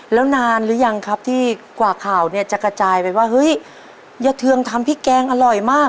แล้วนานหรือยังครับที่กว่าข่าวเนี่ยจะกระจายไปว่าเฮ้ยยะเทืองทำพริกแกงอร่อยมาก